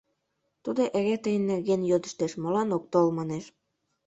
Тудо эре тыйын нерген йодыштеш, «Молан ок тол» манеш.